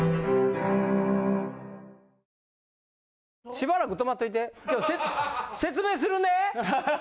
しばらく止まっといてちょっと説明するね。